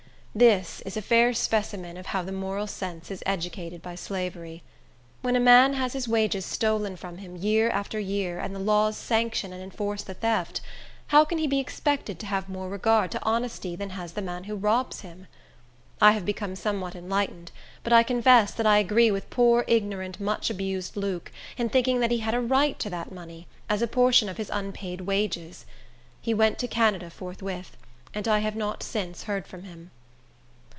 This is a fair specimen of how the moral sense is educated by slavery. When a man has his wages stolen from him, year after year, and the laws sanction and enforce the theft, how can he be expected to have more regard to honesty than has the man who robs him? I have become somewhat enlightened, but I confess that I agree with poor, ignorant, much abused Luke, in thinking he had a right to that money, as a portion of his unpaid wages. He went to Canada forthwith, and I have not since heard from him.